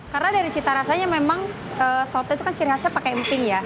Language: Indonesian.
karena dari cita rasanya memang soto itu kan ciri khasnya pakai emping ya